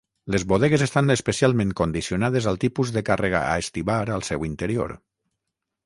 Les bodegues estan especialment condicionades al tipus de càrrega a estibar al seu interior.